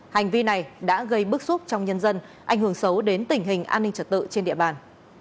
hành vi này đã gây bức xúc trong nhân dân ảnh hưởng xấu đến tình hình an ninh trật tự trên địa bàn